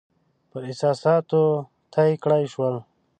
پر احساساتو طی کړای شول.